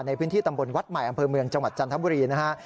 ในพื้นที่ตำบลวัดใหม่อำเภอเมืองจังหวัดจันทบุรีนะฮะ